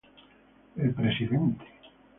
El presidente